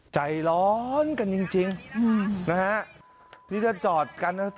ใจร้อนกันจริงจริงนะฮะนี่จะจอดกันนะ